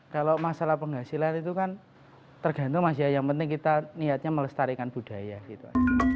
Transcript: kalau masalah penghasilan itu kan tergantung mas ya yang penting kita niatnya melestarikan budaya gitu